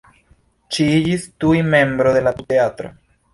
Ŝi iĝis tuj membro de la pupteatro.